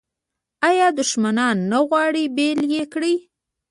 آیا دښمنان نه غواړي بیل یې کړي؟